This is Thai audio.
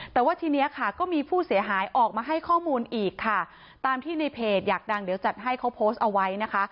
แต่ว่าทีนี้ค่ะก็มีผู้เสียหายออกมาให้ข้อมูลอีกค่ะตามที่ในเพจอยากดังเดี๋ยวจัดให้เขาโพสต์เอาไว้นะคะ